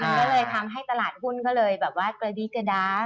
ก็เลยทำให้ตลาดหุ้นก็เลยแบบว่ากระดี้กระดาษ